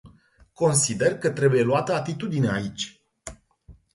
Consider că trebuie luată atitudine aici.